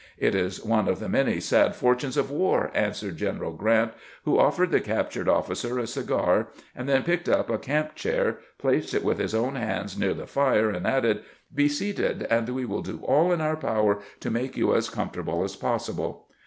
" It is one of the many sad fortunes of war," answered General Grant, who offered the captured ofificer a cigar, and then picked up a camp chair, placed it with his own hands near the fire, and added, " Be seated, and we will do all in our power to make you as comfortable as possible."